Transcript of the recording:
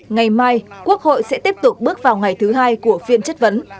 ngày mai quốc hội sẽ tiếp tục bước vào ngày thứ hai của phiên chất vấn